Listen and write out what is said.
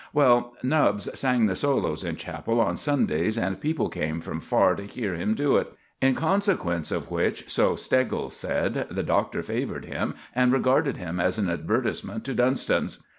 Well, Nubbs sang the solos in chapel on Sundays, and people came from far to hear him do it; in consequence of which, so Steggles said, the Doctor favored him, and regarded him as an advertisement to Dunston's.